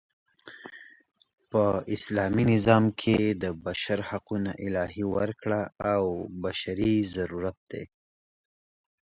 په اسلامي نظام کښي د بشر حقونه الهي ورکړه او بشري ضرورت دئ.